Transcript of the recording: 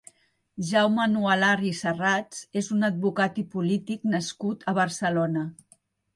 Jaume Nualart i Serrats és un advocat i polític nascut a Barcelona.